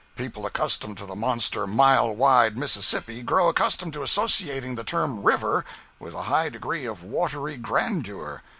People accustomed to the monster mile wide Mississippi, grow accustomed to associating the term "river" with a high degree of watery grandeur.